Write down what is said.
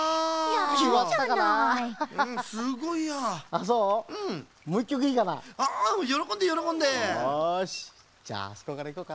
よしじゃああそこからいこうかな。